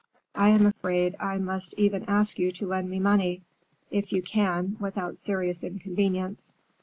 I am afraid I must even ask you to lend me money, if you can without serious inconvenience.